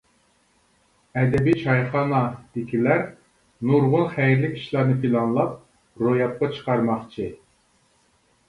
«ئەدەبىي چايخانا» دىكىلەر نۇرغۇن خەيرلىك ئىشلارنى پىلانلاپ، روياپقا چىقارماقچى.